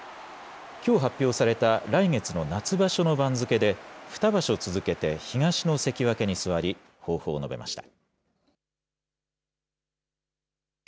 きょう発表された来月の夏場所の番付で、２場所続けて東の関脇に座り、抱負を述べました。